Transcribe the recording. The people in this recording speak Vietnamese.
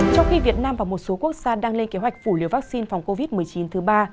trong khi việt nam và một số quốc gia đang lên kế hoạch phủ liều vaccine phòng covid một mươi chín thứ ba